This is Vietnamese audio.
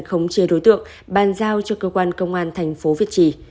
không chê đối tượng ban giao cho cơ quan công an thành phố viết trì